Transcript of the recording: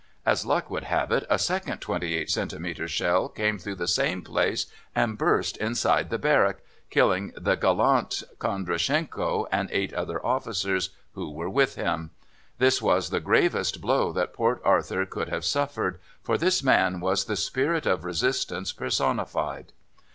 As luck would have it, a second 28 centimetre shell came through the same place and burst inside the barrack, killing the gallant Kondrachenko and eight other officers who were with him. This was the gravest blow that Port Arthur could have suffered, for this man was the spirit of resistance personified.